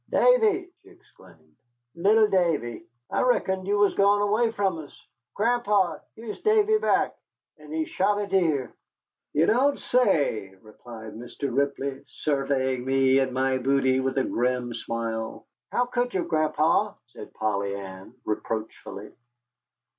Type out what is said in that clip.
"Davy," she exclaimed, "little Davy, I reckoned you was gone away from us. Gran'pa, here is Davy back, and he has shot a deer." "You don't say?" replied Mr. Ripley, surveying me and my booty with a grim smile. "How could you, Gran'pa?" said Polly Ann, reproachfully.